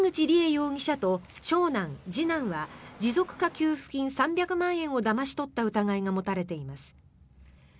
容疑者と長男、次男は持続化給付金３００万円をだまし取った疑いが持たれています。